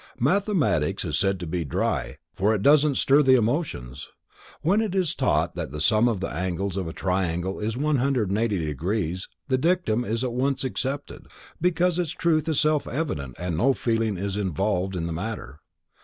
Mathematics is said to be "dry," for it doesn't stir the emotions. When it is taught that "the sum of the angles of a triangle is 180 degrees," the dictum is at once accepted, because its truth is self evident and no feeling is involved in the matter.